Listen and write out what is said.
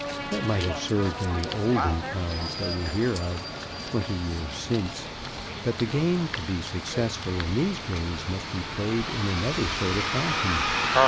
That might have served in the olden times that we hear of, twenty years since; but the game to be successful in these days must be played in another sort of fashion.